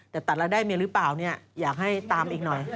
แต่ตัดแล้วได้เมียหรือเปล่าเนี่ยอยากให้ตามอีกหน่อย